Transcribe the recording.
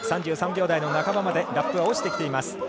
３３秒台半ばまでラップは落ちてきています。